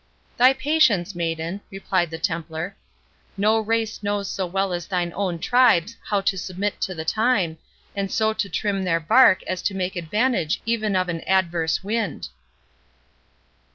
"Thy patience, maiden," replied the Templar. "No race knows so well as thine own tribes how to submit to the time, and so to trim their bark as to make advantage even of an adverse wind."